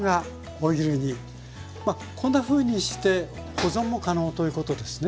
まあこんなふうにして保存も可能ということですね？